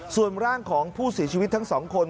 ส่วนร่างของผู้เสียชีวิตทั้งสองคน